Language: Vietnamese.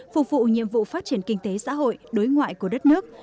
phục vụ nhiệm vụ phát triển kinh tế xã hội đối ngoại của đất nước